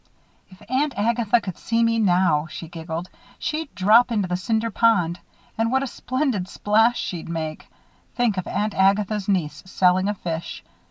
"If Aunt Agatha could see me now," she giggled, "she'd drop into the Cinder Pond. And what a splendid splash she'd make! Think of Aunt Agatha's niece selling a fish!